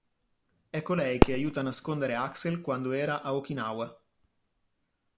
È colei che aiuta a nascondere Axel quando era a Okinawa.